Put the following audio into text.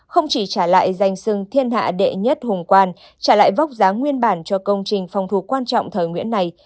không chỉ trả lại danh sưng thiên hạ đệ nhất hùng quan trả lại vóc dáng nguyên bản cho công trình phòng thủ quan trọng thời nguyễn này